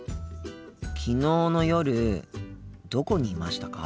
昨日の夜どこにいましたか？